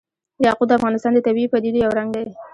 یاقوت د افغانستان د طبیعي پدیدو یو رنګ دی.